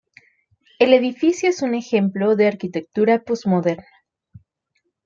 El edificio es un ejemplo de arquitectura postmoderna.